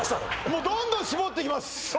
もうどんどん絞っていきます